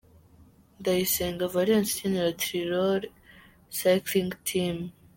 Ndayisenga Valens ukinira Tirol Cycling Team .